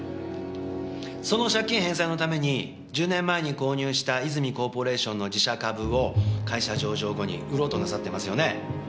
その借金返済のために１０年前に購入した泉コーポレーションの自社株を会社上場後に売ろうとなさってますよね？